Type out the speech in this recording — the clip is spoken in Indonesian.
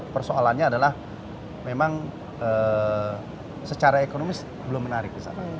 persoalannya adalah memang secara ekonomis belum menarik